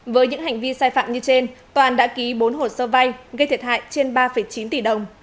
với những hành vi sai phạm như trên toàn đã ký bốn hồ sơ vay gây thiệt hại trên ba chín tỷ đồng